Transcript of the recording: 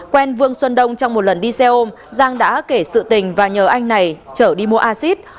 quen vương xuân đông trong một lần đi xe ôm giang đã kể sự tình và nhờ anh này chở đi mua a xích